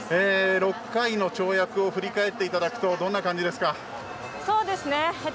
６回の跳躍を振り返っていただくとどんな感じですか。